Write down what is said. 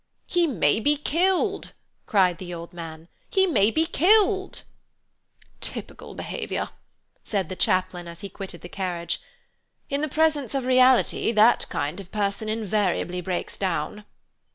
"He may be killed!" cried the old man. "He may be killed!" "Typical behaviour," said the chaplain, as he quitted the carriage. "In the presence of reality that kind of person invariably breaks down."